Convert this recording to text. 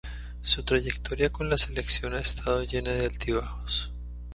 Su trayectoria con la selección ha estado llena de altibajos.